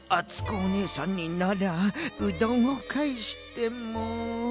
おねえさんにならうどんをかえしても。